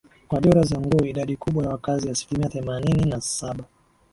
kwa jora za nguo Idadi kubwa ya wakazi asilimia themanini na saba